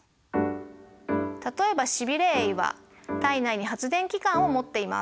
例えばシビレエイは体内に発電器官を持っています。